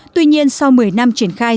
tuy nhiên sau một mươi năm triển khai